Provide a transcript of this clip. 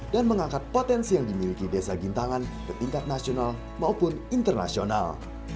mengangkat potensi yang dimiliki desa gintangan ke tingkat nasional maupun internasional